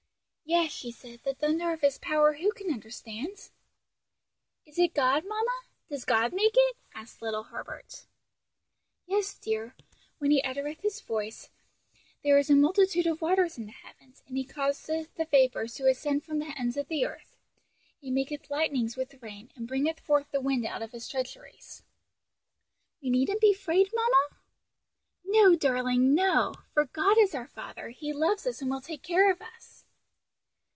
"Yes," she said, "the thunder of his power who can understand?" "Is it God, mamma? does God make it?" asked little Herbert. "Yes, dear; 'when he uttereth his voice, there is a multitude of waters in the heavens, and he causeth the vapors to ascend from the ends of the earth; he maketh lightnings with rain, and bringeth forth the wind out of his treasuries.'" "We needn't be 'f'aid, mamma?" "No, darling, no; for God is our Father; He loves us and will take care of us."